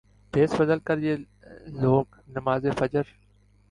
بھیس بدل کریہ لوگ نماز فجر